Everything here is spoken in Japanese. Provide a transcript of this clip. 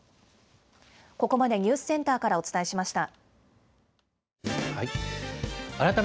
ここまでニュースセンターからお伝えしました。